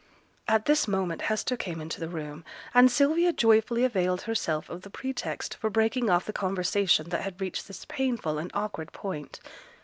At this moment Hester came into the room; and Sylvia joyfully availed herself of the pretext for breaking off the conversation that had reached this painful and awkward point.